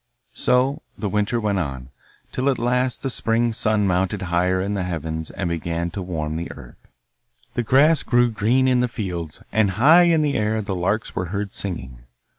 So the winter went on, till at last the spring sun mounted higher in the heavens and began to warm the earth. The grass grew green in the fields, and high in the air the larks were heard singing.